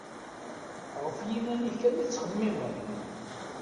Γef yiman-ik kan i tettxemmimeḍ.